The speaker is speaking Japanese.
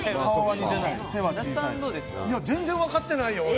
全然わかってないよ、俺。